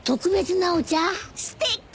すてき！